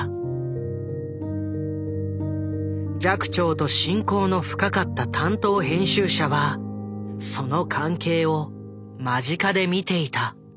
寂聴と親交の深かった担当編集者はその関係を間近で見ていた。